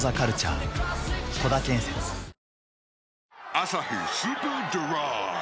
「アサヒスーパードライ」